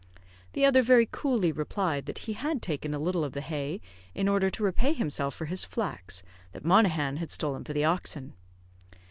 The other very coolly replied that he had taken a little of the hay in order to repay himself for his flax, that Monaghan had stolen for the oxen.